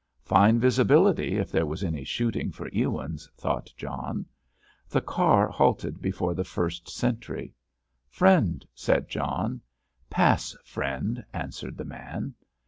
"Fine visibility if there was any shooting for Ewins," thought John. The car halted before the first sentry. "Friend," said John. "Pass, friend," answered the man.